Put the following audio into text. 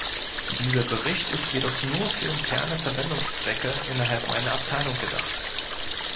Dieser Bericht ist jedoch nur für interne Verwendungszwecke innerhalb meiner Abteilung gedacht.